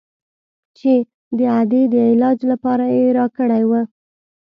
چې د ادې د علاج لپاره يې راكړى و.